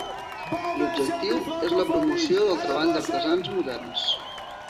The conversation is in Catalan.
L'objectiu és la promoció del treball d'artesans moderns.